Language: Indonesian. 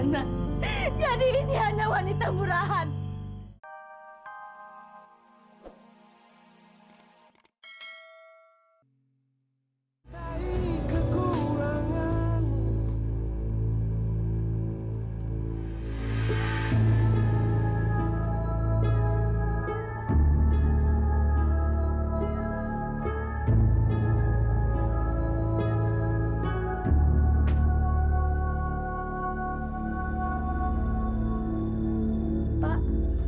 maafin yana ya pak